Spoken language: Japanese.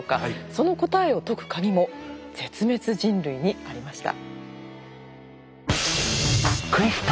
その答えを解く鍵も絶滅人類にありました。